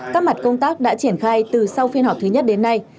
các mặt công tác đã triển khai từ sau phiên họp thứ nhất đến nay